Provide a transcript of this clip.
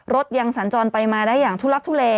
รถยังสัญจรไปมาได้อย่างทุลักทุเล